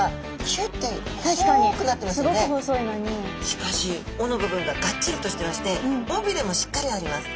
しかしおの部分ががっちりとしてましておびれもしっかりあります。